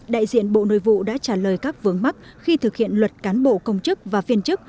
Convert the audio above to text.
đại diện bộ nội vụ đã trả lời các vướng mắt khi thực hiện luật cán bộ công chức và viên chức